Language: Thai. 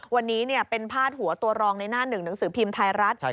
วันนี้เป็นพาดหัวตัวรองในหน้าหนึ่งหนังสือพิมพ์ไทยรัฐ